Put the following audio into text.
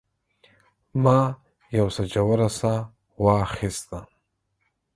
ما یو څه ژوره ساه واخیسته.